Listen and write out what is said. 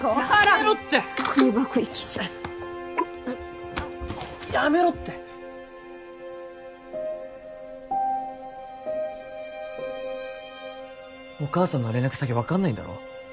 やめろってゴミ箱行きじゃあっやめろってお母さんの連絡先分かんないんだろ